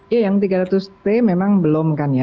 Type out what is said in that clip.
ya yang tiga ratus t memang belum kan ya